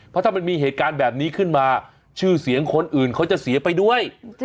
เพราะถ้ามันมีเหตุการณ์แบบนี้ขึ้นมาชื่อเสียงคนอื่นเขาจะเสียไปด้วย